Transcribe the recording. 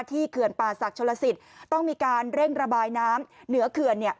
ที่เคือนป่าศักดิ์โชลสิตต้องมีการเร่งระบายน้ำเหนือเคือนเนี่ย